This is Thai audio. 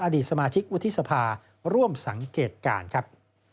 อดีตสมาชิกวุฒิสภาร่วมสังเกตการณ์ครับ